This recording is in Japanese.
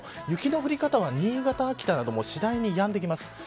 雪の降り方は新潟、秋田など次第にやんできます。